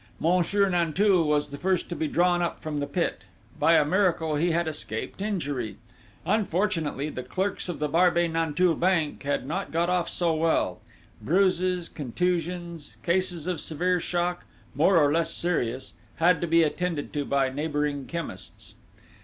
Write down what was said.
"Monsieur Nanteuil was the first to be drawn up from the pit; by a miracle he had escaped injury; unfortunately, the clerks of the Barbey Nanteuil bank had not got off so well; bruises, contusions, cases of severe shock, more or less serious, had to be attended to by neighbouring chemists.